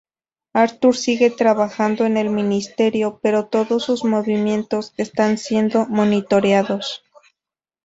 Arthur sigue trabajando en el Ministerio, pero todos sus movimientos están siendo monitoreados.